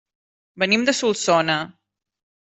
Venim de Solsona.